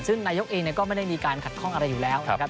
ซึ่งนายกเองก็ไม่ได้มีการขัดข้องอะไรอยู่แล้วนะครับ